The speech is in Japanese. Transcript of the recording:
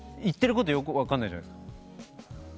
言ってることよく分かんないじゃないですか。